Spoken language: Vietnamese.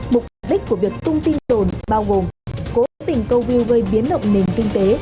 mục đích của việc tung tin đồn bao gồm cố tình câu view gây biến động nền kinh tế